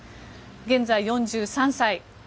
現在４３歳。